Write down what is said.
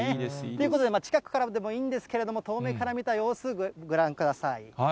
ということで、近くからでもいいんですけど、遠目から見た様子、ご覧ください。